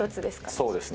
そうですね。